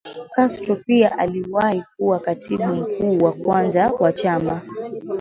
Castro pia aliwahi kuwa Katibu mkuu wa kwanza wa chama